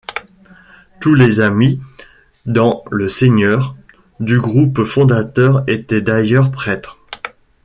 Tous les ‘amis dans le Seigneur’ du groupe fondateur étaient d’ailleurs prêtres.